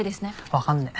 わかんねえ。